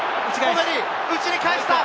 内に返した！